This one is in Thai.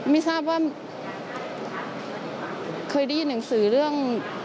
ไม่ทราบว่าเคยได้ยินหนังสือเรื่อง